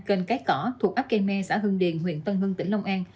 kênh cái cỏ thuộc akeme xã hưng điền huyện tân hưng tỉnh long an